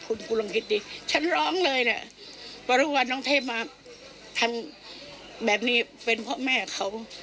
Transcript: คุณกุลังฮิตดีฉันร้องเลยน่ะบริวารน้องเทพมาทำแบบนี้เป็นพ่อแม่เขา